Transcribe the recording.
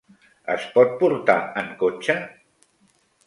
Es pot portar en cotxe?